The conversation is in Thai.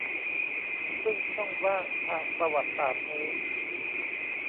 ซึ่งช่องว่างทางประวัติศาสตร์นี้